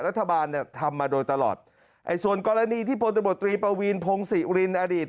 รัฐบาลเนี่ยทำมาโดยตลอดส่วนกรณีที่โพธิบทรีย์ประวีนพงศ์ศรีอุลินอดีต